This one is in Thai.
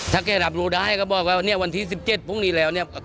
ถ้าแกรับรู้ได้ก็บอกว่าเนี่ยวันที่๑๗พรุ่งนี้แล้วเนี่ย